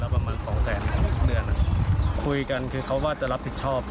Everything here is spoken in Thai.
ประมาณ๒๐๐บาทเมื่อคือกันคือเขาว่าจะรับผิดชอบ